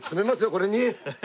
これに！